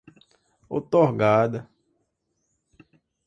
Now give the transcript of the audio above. outorgada